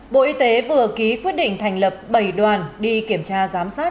bộ y tế vừa ký quyết định thành lập bảy đoàn đi kiểm tra giám sát